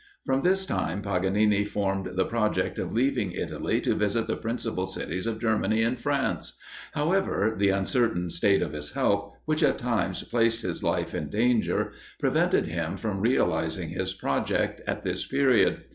From this time Paganini formed the project of leaving Italy to visit the principal cities of Germany and France; however, the uncertain state of his health, which, at times, placed his life in danger, prevented him from realising his project at this period.